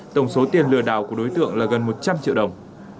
tổng số tiền lừa đảo của đối tượng là gần một trăm linh triệu đồng